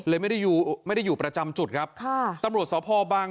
ไม่ได้อยู่ไม่ได้อยู่ประจำจุดครับค่ะตำรวจสพบาง